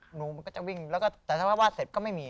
หนูมันก็จะวิ่งแต่ถ้าวาดเสร็จก็ไม่มี